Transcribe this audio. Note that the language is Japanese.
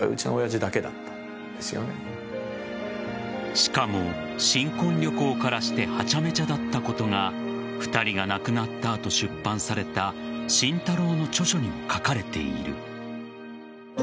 しかも、新婚旅行からしてはちゃめちゃだったことが２人が亡くなった後、出版された慎太郎の著書にも書かれている。